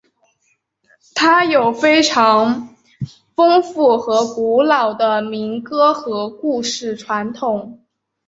它有非常丰富和古老的民歌和故事传统。